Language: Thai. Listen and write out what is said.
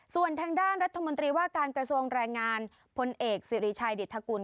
ส่วนทางด้านรัฐมนตรีว่าการกระทรวงแรงงานพลเอกสิริชัยดิตธกุล